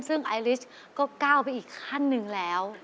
ซึ่งไอลิสก็ก้าวไปอีกขั้นหนึ่งแล้ว